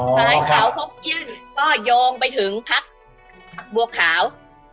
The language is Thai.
สายขาวพกเกี้ยนก็โยงไปถึงพักบัวขาว